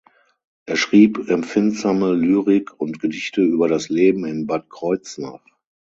Er schrieb empfindsame Lyrik und Gedichte über das Leben in Bad Kreuznach.